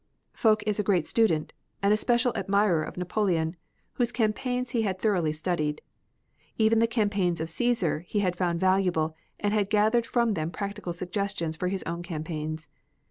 Foch is a great student, an especial admirer of Napoleon, whose campaigns he had thoroughly studied. Even the campaigns of Caesar he had found valuable and had gathered from them practical suggestions for his own campaigns.